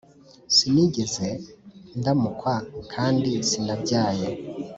“Sinigeze ndamukwa kandi sinabyaye,